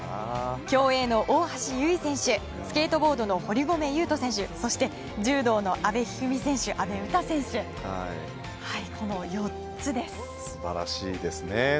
競泳の大橋悠依選手スケートボードの堀米雄斗選手そして、柔道の阿部一二三選手阿部詩選手素晴らしいですね。